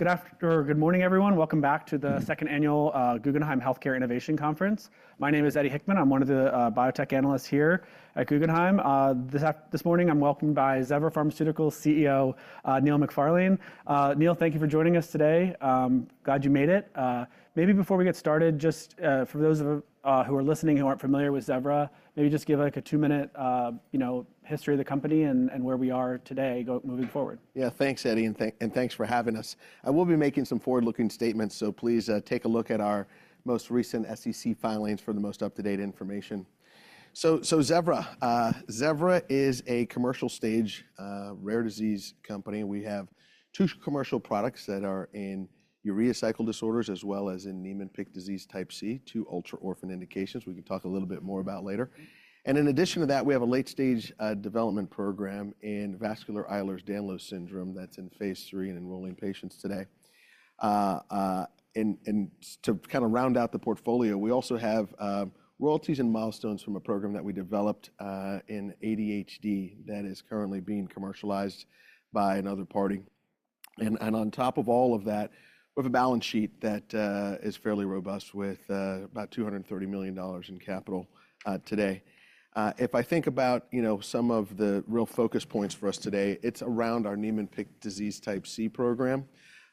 Good afternoon, everyone. Welcome back to the Second Annual Guggenheim Healthcare Innovation Conference. My name is Eddie Hickman. I'm one of the Biotech Analysts here at Guggenheim. This morning, I'm welcomed by Zevra Therapeutics CEO, Neil McFarlane. Neil, thank you for joining us today. Glad you made it. Maybe before we get started, just for those who are listening who aren't familiar with Zevra, maybe just give like a two-minute history of the company and where we are today moving forward. Yeah, thanks, Eddie, and thanks for having us. I will be making some forward-looking statements, so please take a look at our most recent SEC filings for the most up-to-date information. So Zevra, Zevra is a commercial-stage rare disease company. We have two commercial products that are in urea cycle disorders as well as in Niemann-Pick disease type C, two ultra-orphan indications we can talk a little bit more about later. And in addition to that, we have a late-stage development program in vascular Ehlers-Danlos Syndrome that's in phase III and enrolling patients today. And to kind of round out the portfolio, we also have royalties and milestones from a program that we developed in ADHD that is currently being commercialized by another party. And on top of all of that, we have a balance sheet that is fairly robust with about $230 million in capital today. If I think about some of the real focus points for us today, it's around our Niemann-Pick disease type C program.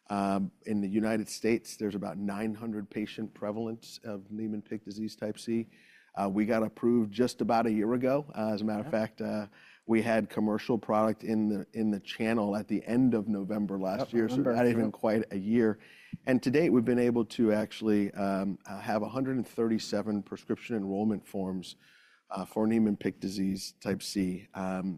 In the U.S., there's about 900 patient prevalence of Niemann-Pick disease type C. We got approved just about a year ago. As a matter of fact, we had commercial product in the channel at the end of November last year, so not even quite a year, and to date, we've been able to actually have 137 prescription enrollment forms for Niemann-Pick disease type C.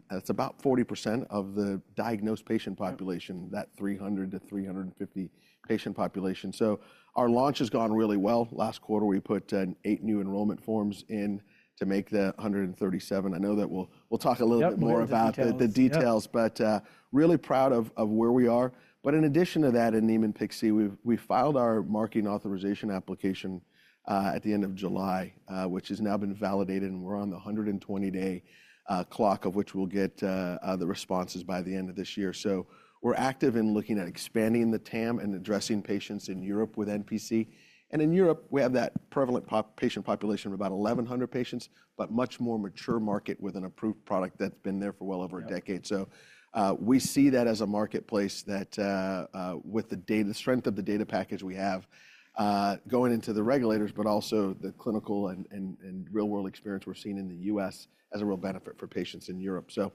That's about 40% of the diagnosed patient population, that 300-350 patient population, so our launch has gone really well. Last quarter, we put eight new enrollment forms in to make the 137. I know that we'll talk a little bit more about the details, but really proud of where we are. But in addition to that, in Niemann-Pick disease type C, we filed our Marketing Authorization Application at the end of July, which has now been validated, and we're on the 120-day clock of which we'll get the responses by the end of this year. So we're active in looking at expanding the TAM and addressing patients in Europe with NPC. And in Europe, we have that prevalent patient population of about 1,100 patients, but much more mature market with an approved product that's been there for well over a decade. So we see that as a marketplace that, with the strength of the data package we have going into the regulators, but also the clinical and real-world experience we're seeing in the U.S. as a real benefit for patients in Europe. So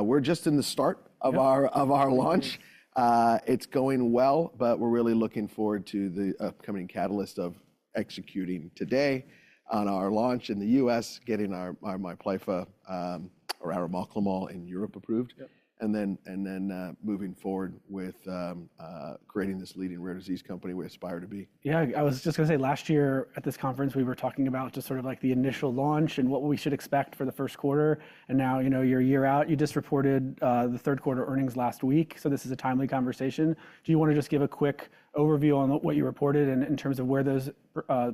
we're just in the start of our launch. It's going well, but we're really looking forward to the upcoming catalyst of executing today on our launch in the U.S., getting our Miplyffa, or our arimoclomol in Europe approved, and then moving forward with creating this leading rare disease company we aspire to be. Yeah, I was just going to say, last year at this conference, we were talking about just sort of like the initial launch and what we should expect for the first quarter, and now you're a year out. You just reported the third quarter earnings last week, so this is a timely conversation. Do you want to just give a quick overview on what you reported in terms of where those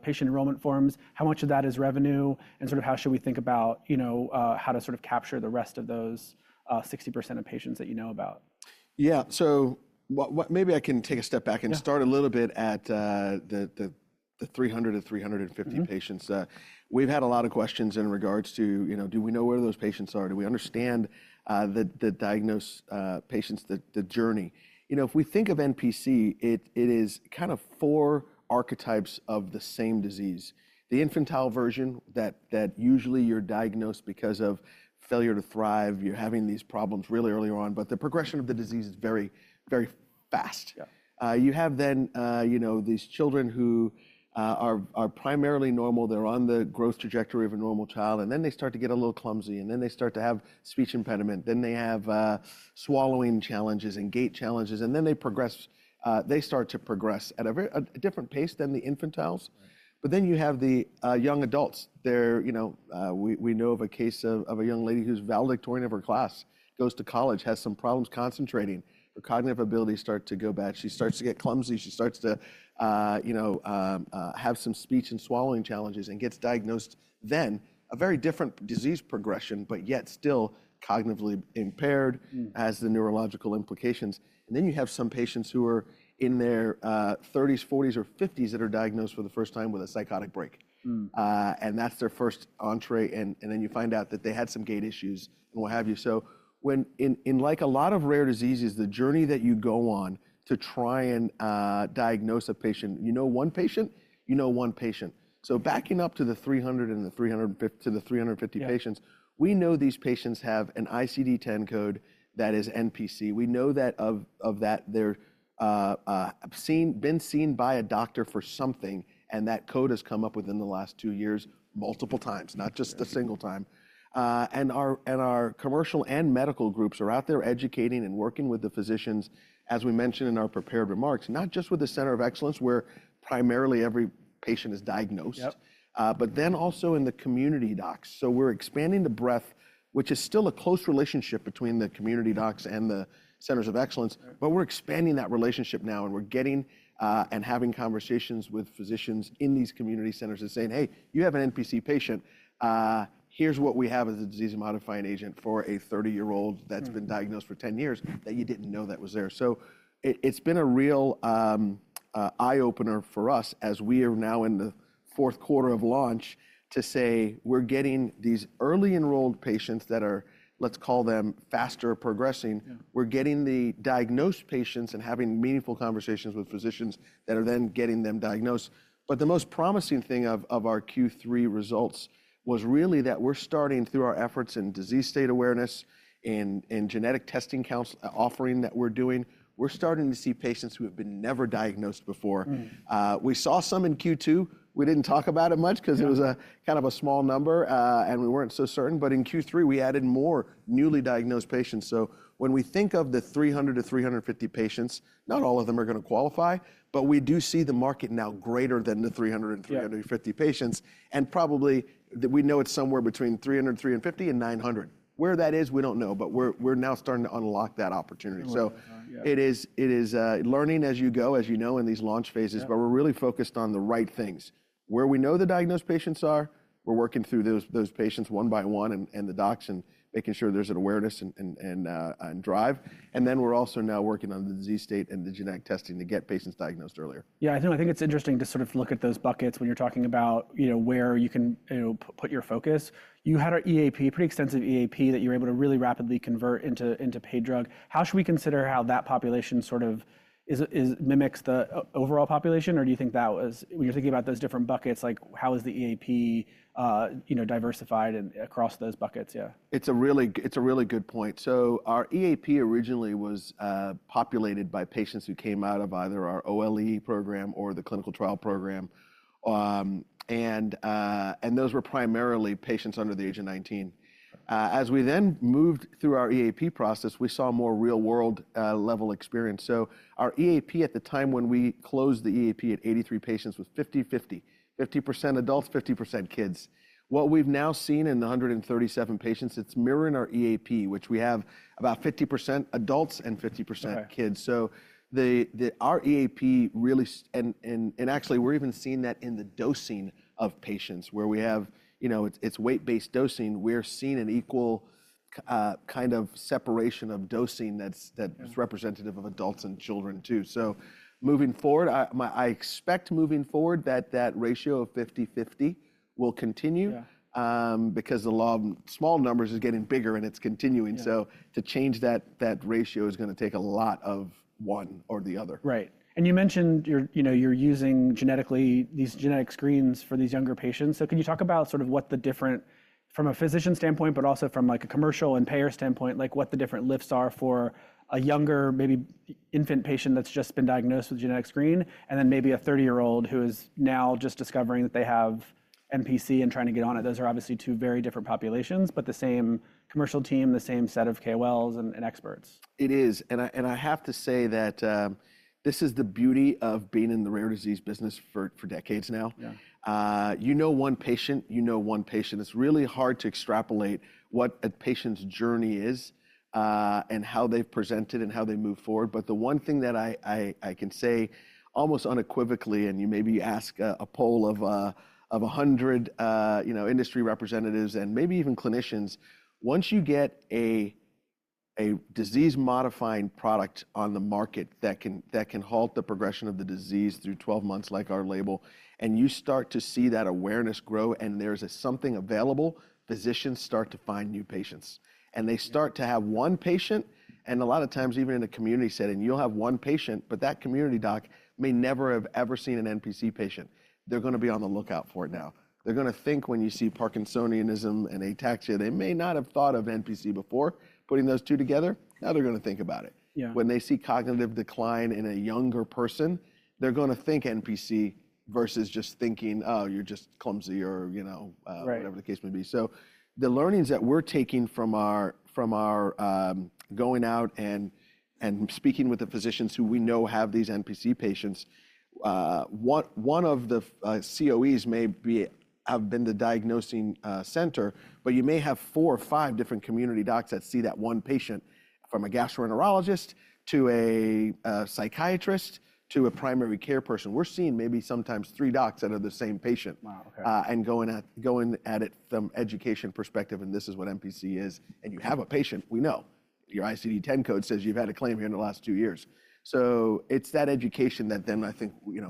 patient enrollment forms, how much of that is revenue, and sort of how should we think about how to sort of capture the rest of those 60% of patients that you know about? Yeah, so maybe I can take a step back and start a little bit at the 300-350 patients. We've had a lot of questions in regards to, do we know where those patients are? Do we understand the diagnosed patients, the journey? If we think of NPC, it is kind of four archetypes of the same disease. The infantile version that usually you're diagnosed because of failure to thrive, you're having these problems really early on, but the progression of the disease is very fast. You have then these children who are primarily normal. They're on the growth trajectory of a normal child, and then they start to get a little clumsy, and then they start to have speech impediment, then they have swallowing challenges and gait challenges, and then they start to progress at a different pace than the infantiles. But then you have the young adults. We know of a case of a young lady who's valedictorian of her class, goes to college, has some problems concentrating, her cognitive abilities start to go bad, she starts to get clumsy, she starts to have some speech and swallowing challenges, and gets diagnosed, then a very different disease progression, but yet still cognitively impaired, has the neurological implications, and then you have some patients who are in their 30s, 40s, or 50s that are diagnosed for the first time with a psychotic break, and that's their first entry, and then you find out that they had some gait issues and what have you. So in like a lot of rare diseases, the journey that you go on to try and diagnose a patient, you know one patient. So backing up to the 300 and the 350 patients, we know these patients have an ICD-10 code that is NPC. We know that of that, they've been seen by a doctor for something, and that code has come up within the last two years multiple times, not just a single time. And our commercial and medical groups are out there educating and working with the physicians, as we mentioned in our prepared remarks, not just with the center of excellence where primarily every patient is diagnosed, but then also in the community docs. So we're expanding the breadth, which is still a close relationship between the community docs and the centers of excellence, but we're expanding that relationship now, and we're getting and having conversations with physicians in these community centers and saying, "Hey, you have an NPC patient. Here's what we have as a disease-modifying agent for a 30-year-old that's been diagnosed for 10 years that you didn't know that was there." So it's been a real eye-opener for us as we are now in the fourth quarter of launch to say we're getting these early-enrolled patients that are, let's call them faster-progressing, we're getting the diagnosed patients and having meaningful conversations with physicians that are then getting them diagnosed. But the most promising thing of our Q3 results was really that we're starting through our efforts in disease state awareness and genetic testing counseling offering that we're doing, we're starting to see patients who have been never diagnosed before. We saw some in Q2. We didn't talk about it much because it was kind of a small number, and we weren't so certain. But in Q3, we added more newly diagnosed patients. When we think of the 300-350 patients, not all of them are going to qualify, but we do see the market now greater than the 300-350 patients. Probably we know it's somewhere between 300, 350 and 900. Where that is, we don't know, but we're now starting to unlock that opportunity. It is learning as you go, as you know, in these launch phases, but we're really focused on the right things. Where we know the diagnosed patients are, we're working through those patients one by one and the docs and making sure there's an awareness and drive. Then we're also now working on the disease state and the genetic testing to get patients diagnosed earlier. Yeah, I think it's interesting to sort of look at those buckets when you're talking about where you can put your focus. You had an EAP, a pretty extensive EAP that you were able to really rapidly convert into paid drug. How should we consider how that population sort of mimics the overall population, or do you think that was, when you're thinking about those different buckets, like how is the EAP diversified across those buckets? Yeah. It's a really good point. So our EAP originally was populated by patients who came out of either our OLE program or the clinical trial program, and those were primarily patients under the age of 19. As we then moved through our EAP process, we saw more real-world level experience. So our EAP at the time when we closed the EAP at 83 patients was 50-50, 50% adults, 50% kids. What we've now seen in the 137 patients, it's mirroring our EAP, which we have about 50% adults and 50% kids. So our EAP really, and actually we're even seeing that in the dosing of patients where we have its weight-based dosing, we're seeing an equal kind of separation of dosing that's representative of adults and children too. So moving forward, I expect that ratio of 50-50 will continue because the law of small numbers is getting bigger and it's continuing. So to change that ratio is going to take a lot of one or the other. Right. And you mentioned you're using genetically these genetic screens for these younger patients. So can you talk about sort of what the different, from a physician standpoint, but also from like a commercial and payer standpoint, like what the different lifts are for a younger, maybe infant patient that's just been diagnosed with genetic screen and then maybe a 30-year-old who is now just discovering that they have NPC and trying to get on it? Those are obviously two very different populations, but the same commercial team, the same set of KOLs and experts. It is. And I have to say that this is the beauty of being in the rare disease business for decades now. You know one patient, you know one patient. It's really hard to extrapolate what a patient's journey is and how they've presented and how they move forward. But the one thing that I can say almost unequivocally, and you maybe ask a poll of 100 industry representatives and maybe even clinicians, once you get a disease-modifying product on the market that can halt the progression of the disease through 12 months like our label, and you start to see that awareness grow and there's something available, physicians start to find new patients. And they start to have one patient, and a lot of times even in a community setting, you'll have one patient, but that community doc may never have ever seen an NPC patient. They're going to be on the lookout for it now. They're going to think, when you see Parkinsonism and ataxia, they may not have thought of NPC before. Putting those two together, now they're going to think about it. When they see cognitive decline in a younger person, they're going to think NPC versus just thinking, "Oh, you're just clumsy," or whatever the case may be. So the learnings that we're taking from our going out and speaking with the physicians who we know have these NPC patients, one of the COEs may have been the diagnosing center, but you may have four or five different community docs that see that one patient from a gastroenterologist to a psychiatrist to a primary care person. We're seeing maybe sometimes three docs that are the same patient and going at it from education perspective, and this is what NPC is. You have a patient, we know. Your ICD-10 code says you've had a claim here in the last two years. It's that education that then I think we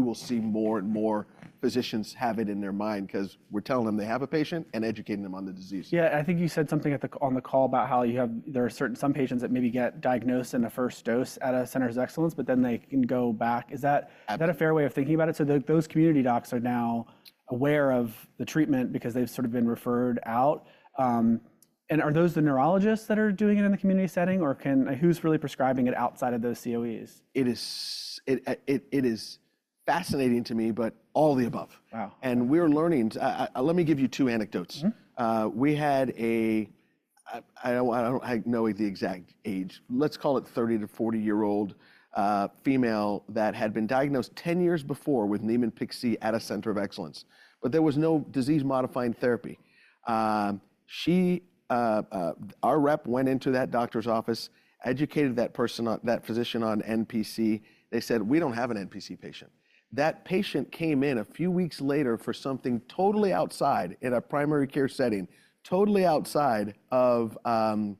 will see more and more physicians have it in their mind because we're telling them they have a patient and educating them on the disease. Yeah, I think you said something on the call about how there are some patients that maybe get diagnosed in the first dose at a center of excellence, but then they can go back. Is that a fair way of thinking about it? So those community docs are now aware of the treatment because they've sort of been referred out. And are those the neurologists that are doing it in the community setting, or who's really prescribing it outside of those COEs? It is fascinating to me, but all the above. And we're learning. Let me give you two anecdotes. We had a, I don't know the exact age, let's call it 30-40-year old female that had been diagnosed 10 years before with Niemann-Pick disease type C at a center of excellence, but there was no disease-modifying therapy. Our rep went into that doctor's office, educated that physician on NPC. They said, "We don't have an NPC patient." That patient came in a few weeks later for something totally outside in a primary care setting, totally outside of an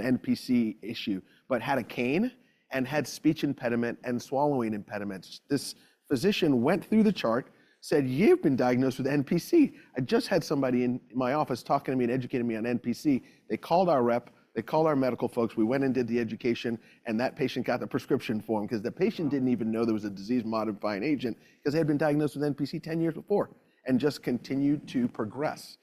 NPC issue, but had a cane and had speech impediment and swallowing impediments. This physician went through the chart, said, "You've been diagnosed with NPC. I just had somebody in my office talking to me and educating me on NPC." They called our rep, they called our medical folks, we went and did the education, and that patient got the prescription form because the patient didn't even know there was a disease-modifying agent because they had been diagnosed with NPC, 10 years before and just continued to progress.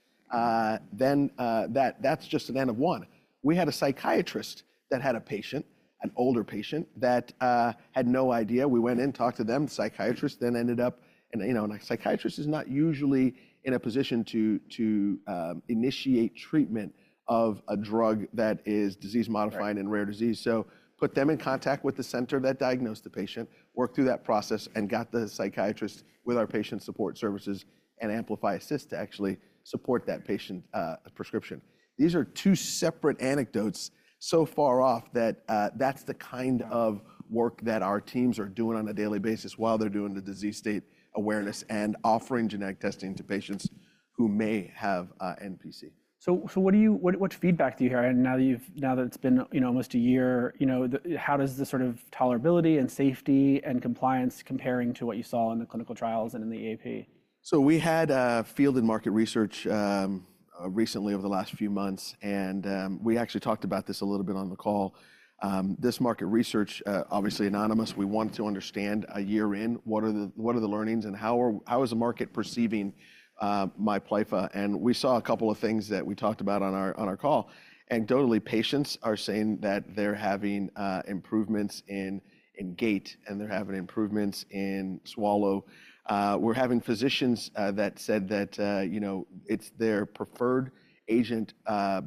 Then that's just N of 1. We had a psychiatrist that had a patient, an older patient that had no idea. We went and talked to them, the psychiatrist then ended up, and a psychiatrist is not usually in a position to initiate treatment of a drug that is disease-modifying in rare disease. Put them in contact with the center that diagnosed the patient, worked through that process, and got the psychiatrist with our patient support services and AmplifyAssist to actually support that patient's prescription. These are two separate anecdotes so far off that that's the kind of work that our teams are doing on a daily basis while they're doing the disease state awareness and offering genetic testing to patients who may have NPC. So what feedback do you hear now that it's been almost a year? How does the sort of tolerability and safety and compliance comparing to what you saw in the clinical trials and in the EAP? So we had a field and market research recently over the last few months, and we actually talked about this a little bit on the call. This market research, obviously anonymous, we want to understand a year in what are the learnings and how is the market perceiving Miplyffa. And we saw a couple of things that we talked about on our call. Anecdotally, patients are saying that they're having improvements in gait and they're having improvements in swallow. We're having physicians that said that it's their preferred agent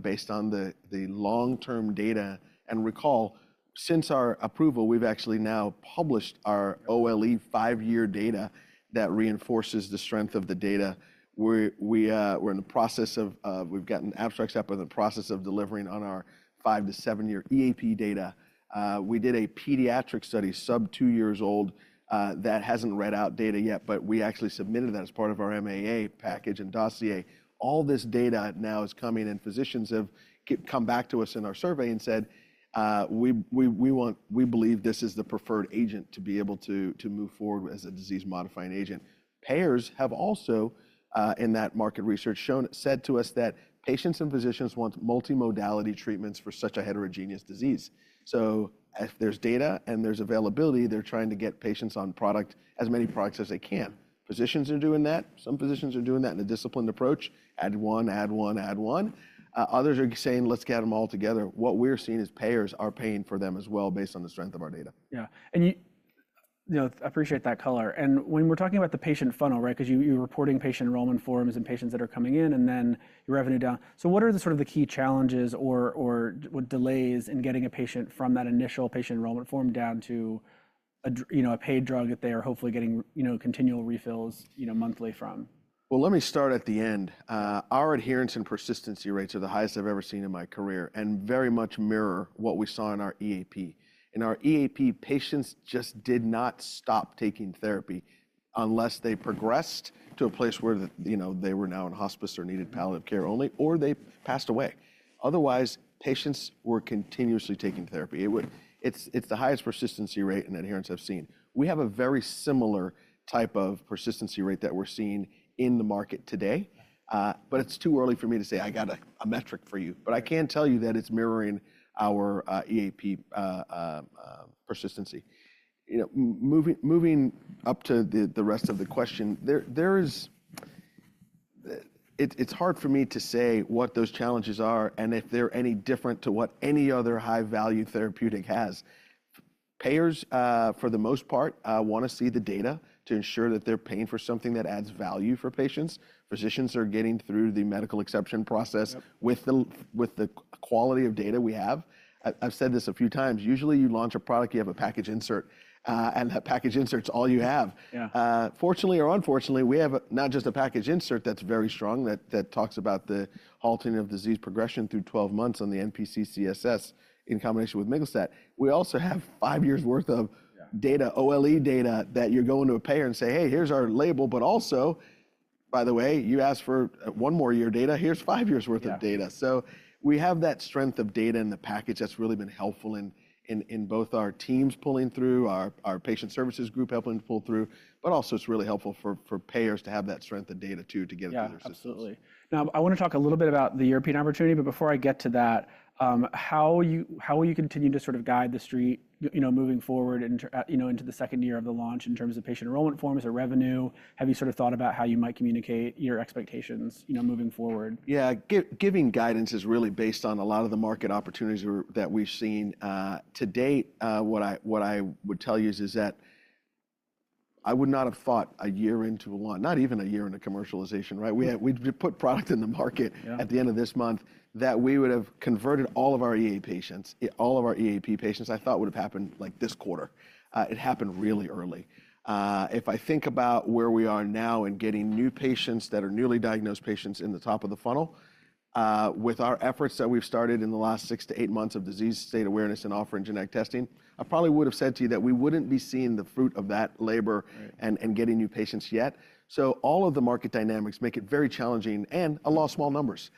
based on the long-term data. And recall, since our approval, we've actually now published our OLE 5-year data that reinforces the strength of the data. We're in the process of, we've gotten abstracts up in the process of delivering on our 5-7-year EAP data. We did a pediatric study, sub two years old, that hasn't read out data yet, but we actually submitted that as part of our MAA package and dossier. All this data now is coming in. Physicians have come back to us in our survey and said, "We believe this is the preferred agent to be able to move forward as a disease-modifying agent." Payers have also, in that market research, said to us that patients and physicians want multi-modality treatments for such a heterogeneous disease. So if there's data and there's availability, they're trying to get patients on product, as many products as they can. Physicians are doing that. Some physicians are doing that in a disciplined approach, add one, add one, add one. Others are saying, "Let's get them all together." What we're seeing is payers are paying for them as well based on the strength of our data. Yeah. And I appreciate that color. And when we're talking about the patient funnel, right, because you're reporting patient enrollment forms and patients that are coming in and then your revenue down. So what are the sort of key challenges or delays in getting a patient from that initial patient enrollment form down to a paid drug that they are hopefully getting continual refills monthly from? Let me start at the end. Our adherence and persistency rates are the highest I've ever seen in my career and very much mirror what we saw in our EAP. In our EAP, patients just did not stop taking therapy unless they progressed to a place where they were now in hospice or needed palliative care only, or they passed away. Otherwise, patients were continuously taking therapy. It's the highest persistency rate and adherence I've seen. We have a very similar type of persistency rate that we're seeing in the market today, but it's too early for me to say I got a metric for you. But I can tell you that it's mirroring our EAP persistency. Moving up to the rest of the question, it's hard for me to say what those challenges are and if they're any different to what any other high-value therapeutic has. Payers, for the most part, want to see the data to ensure that they're paying for something that adds value for patients. Physicians are getting through the medical exception process with the quality of data we have. I've said this a few times. Usually, you launch a product, you have a package insert, and that package insert's all you have. Fortunately or unfortunately, we have not just a package insert that's very strong that talks about the halting of disease progression through 12 months on the NPC CSS in combination with miglustat. We also have five years' worth of data, OLE data that you're going to a payer and say, "Hey, here's our label, but also, by the way, you asked for one more year data. Here's five years' worth of data, so we have that strength of data in the package that's really been helpful in both our teams pulling through, our patient services group helping pull through, but also it's really helpful for payers to have that strength of data too to get it through their system. Yeah, absolutely. Now, I want to talk a little bit about the European opportunity, but before I get to that, how will you continue to sort of guide the street moving forward into the second year of the launch in terms of patient enrollment forms or revenue? Have you sort of thought about how you might communicate your expectations moving forward? Yeah, giving guidance is really based on a lot of the market opportunities that we've seen. To date, what I would tell you is that I would not have thought a year into a launch, not even a year into commercialization, right? We put product in the market at the end of this month that we would have converted all of our EAP patients, all of our EAP patients. I thought would have happened like this quarter. It happened really early. If I think about where we are now in getting new patients that are newly diagnosed patients in the top of the funnel with our efforts that we've started in the last six to eight months of disease state awareness and offering genetic testing, I probably would have said to you that we wouldn't be seeing the fruit of that labor and getting new patients yet. So all of the market dynamics make it very challenging and a lot of small numbers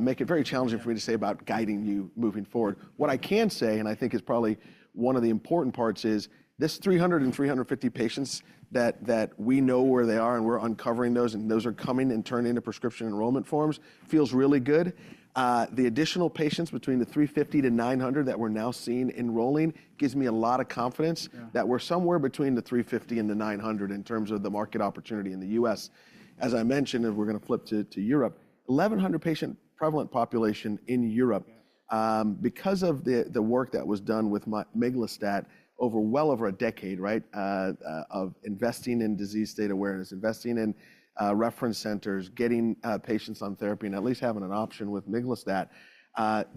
make it very challenging for me to say about guiding you moving forward. What I can say, and I think is probably one of the important parts, is this 300 and 350 patients that we know where they are and we're uncovering those and those are coming and turning into prescription enrollment forms feels really good. The additional patients between the 350-900 that we're now seeing enrolling gives me a lot of confidence that we're somewhere between the 350 and the 900 in terms of the market opportunity in the U.S. As I mentioned, as we're going to flip to Europe, 1,100 patient prevalent population in Europe because of the work that was done with miglustat over well over a decade, right, of investing in disease state awareness, investing in reference centers, getting patients on therapy, and at least having an option with miglustat,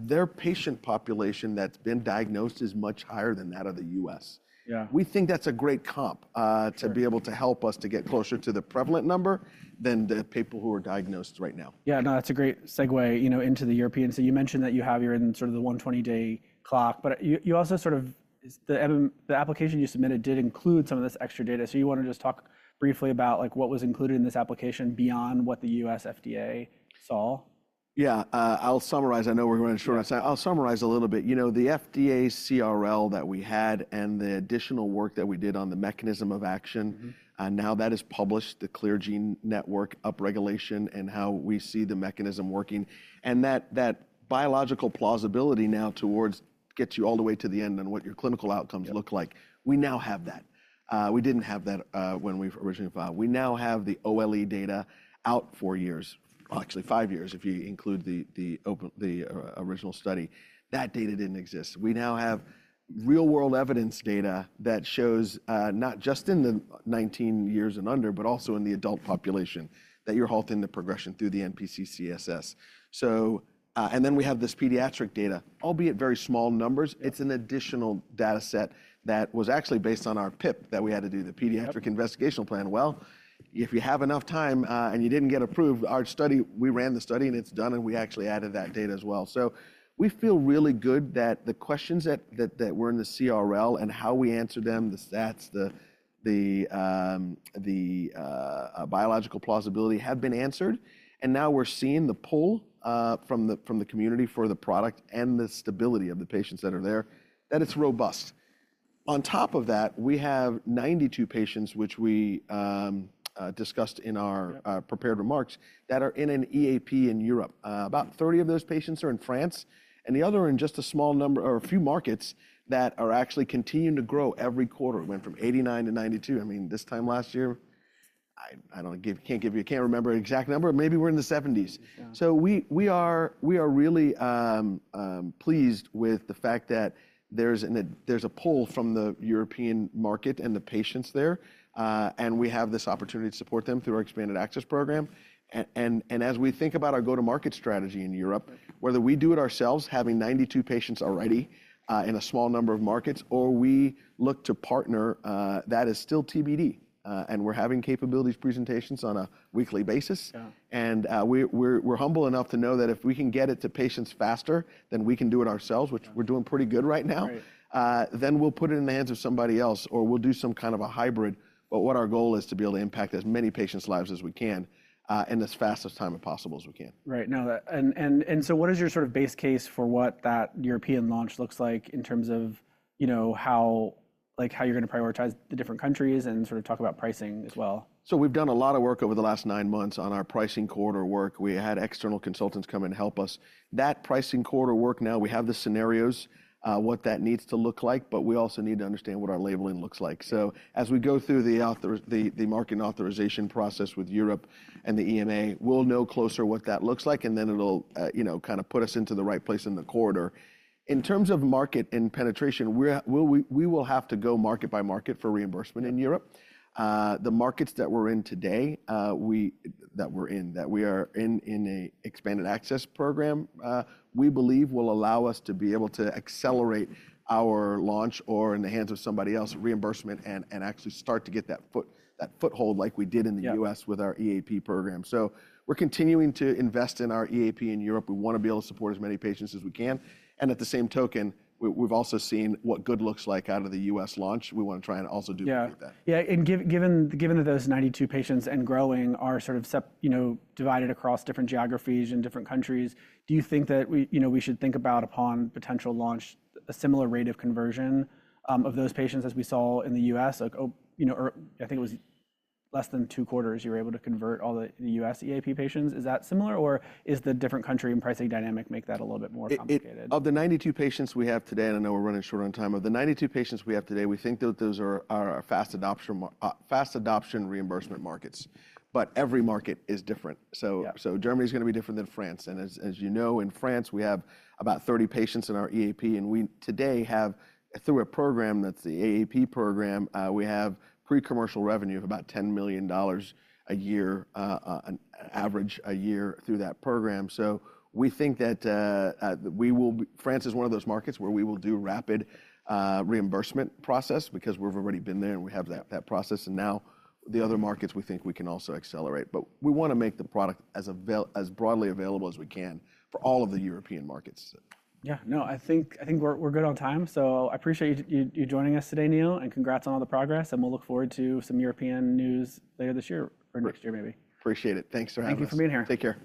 their patient population that's been diagnosed is much higher than that of the U.S. We think that's a great comp to be able to help us to get closer to the prevalent number than the people who are diagnosed right now. Yeah, no, that's a great segue into the European. So you mentioned that you have your sort of the 120-day clock, but you also sort of the application you submitted did include some of this extra data. So you want to just talk briefly about what was included in this application beyond what the U.S. FDA saw? Yeah, I'll summarize. I know we're running short on time. I'll summarize a little bit. You know, the FDA CRL that we had and the additional work that we did on the mechanism of action, now that is published, the CLEAR network upregulation and how we see the mechanism working. And that biological plausibility now towards gets you all the way to the end on what your clinical outcomes look like. We now have that. We didn't have that when we originally filed. We now have the OLE data out four years, actually five years if you include the original study. That data didn't exist. We now have real-world evidence data that shows not just in the 19 years and under, but also in the adult population that you're halting the progression through the NPC CSS. And then we have this pediatric data, albeit very small numbers. It's an additional data set that was actually based on our PIP that we had to do the Pediatric Investigational Plan. Well, if you have enough time and you didn't get approved, our study, we ran the study and it's done and we actually added that data as well. So we feel really good that the questions that were in the CRL and how we answered them, the stats, the biological plausibility have been answered. And now we're seeing the pull from the community for the product and the stability of the patients that are there that it's robust. On top of that, we have 92 patients, which we discussed in our prepared remarks, that are in an EAP in Europe. About 30 of those patients are in France and the other are in just a small number or a few markets that are actually continuing to grow every quarter. We went from 89-92. I mean, this time last year, I can't give you, I can't remember the exact number, maybe we're in the 70s, so we are really pleased with the fact that there's a pull from the European market and the patients there, and we have this opportunity to support them through our expanded access program, and as we think about our go-to-market strategy in Europe, whether we do it ourselves having 92 patients already in a small number of markets or we look to partner, that is still TBD, and we're having capabilities presentations on a weekly basis, and we're humble enough to know that if we can get it to patients faster, then we can do it ourselves, which we're doing pretty good right now, then we'll put it in the hands of somebody else or we'll do some kind of a hybrid. But what our goal is to be able to impact as many patients' lives as we can in as fast a time as possible as we can. Right. And so what is your sort of base case for what that European launch looks like in terms of how you're going to prioritize the different countries and sort of talk about pricing as well? So we've done a lot of work over the last nine months on our pricing quarter work. We had external consultants come and help us. That pricing quarter work now, we have the scenarios, what that needs to look like, but we also need to understand what our labeling looks like. So as we go through the marketing authorization process with Europe and the EMA, we'll know closer what that looks like and then it'll kind of put us into the right place in the quarter. In terms of market and penetration, we will have to go market by market for reimbursement in Europe. The markets that we're in today, that we're in, that we are in an expanded access program, we believe will allow us to be able to accelerate our launch or in the hands of somebody else reimbursement and actually start to get that foothold like we did in the U.S. with our EAP program. So we're continuing to invest in our EAP in Europe. We want to be able to support as many patients as we can. And at the same token, we've also seen what good looks like out of the US launch. We want to try and also do that. Yeah. Yeah. And given that those 92 patients and growing are sort of divided across different geographies and different countries, do you think that we should think about upon potential launch a similar rate of conversion of those patients as we saw in the U.S.? I think it was less than two quarters you were able to convert all the U.S. EAP patients. Is that similar or is the different country and pricing dynamic make that a little bit more complicated? Of the 92 patients we have today, and I know we're running short on time, we think that those are fast adoption reimbursement markets, but every market is different, so Germany is going to be different than France. And as you know, in France, we have about 30 patients in our EAP and we today have, through a program that's the EAP program, we have pre-commercial revenue of about $10 million a year, average a year through that program. So we think that we will, France is one of those markets where we will do rapid reimbursement process because we've already been there and we have that process. And now the other markets we think we can also accelerate, but we want to make the product as broadly available as we can for all of the European markets. Yeah. No, I think we're good on time. So I appreciate you joining us today, Neil, and congrats on all the progress. And we'll look forward to some European news later this year or next year maybe. Appreciate it. Thanks for having us. Thank you for being here. Take care.